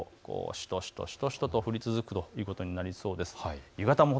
しとしとと降り続くということになりそうです。